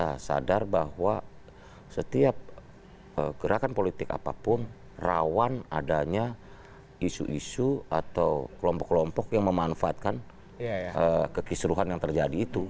kita sadar bahwa setiap gerakan politik apapun rawan adanya isu isu atau kelompok kelompok yang memanfaatkan kekisruhan yang terjadi itu